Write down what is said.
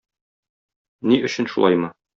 Ни өчен шулаймы?